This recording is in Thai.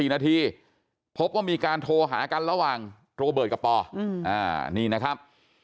๔นาทีพบว่ามีการโทรหากันระหว่างโรเบิร์ตกับปอนี่นะครับ